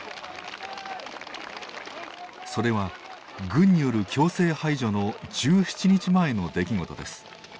それは軍による強制排除の１７日前の出来事です。